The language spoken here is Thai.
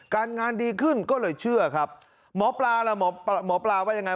การงานดีขึ้นก็เลยเชื่อครับหมอปลาล่ะหมอปลาว่ายังไง